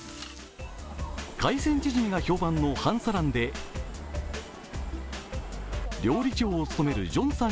海鮮チヂミが評判の韓サランで料理長を務めるジョンさん